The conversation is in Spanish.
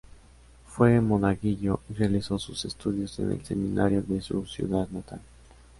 Fue monaguillo y realizó sus estudios en el Seminario de su ciudad natal.